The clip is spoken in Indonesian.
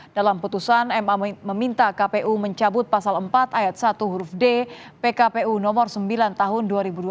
dalam putusan ma meminta kpu mencabut pasal empat ayat satu huruf d pkpu nomor sembilan tahun dua ribu dua puluh